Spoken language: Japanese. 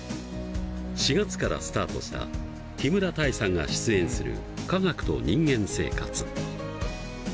４月からスタートした木村多江さんが出演する「科学と人間生活」。